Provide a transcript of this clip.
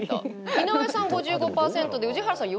井上さん５５％で宇治原さん４０％。